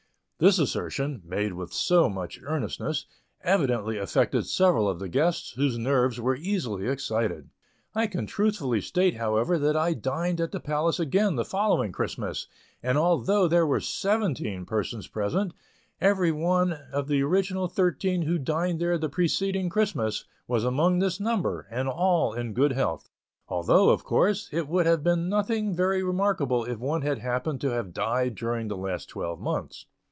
This assertion, made with so much earnestness, evidently affected several of the guests, whose nerves were easily excited. I can truthfully state, however, that I dined at the Palace again the following Christmas, and although there were seventeen persons present, every one of the original thirteen who dined there the preceding Christmas, was among this number, and all in good health; although, of course, it would have been nothing very remarkable if one had happened to have died during the last twelve months.